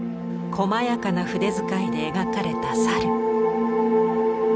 こまやかな筆遣いで描かれた猿。